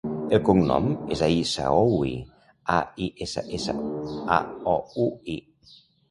El cognom és Aissaoui: a, i, essa, essa, a, o, u, i.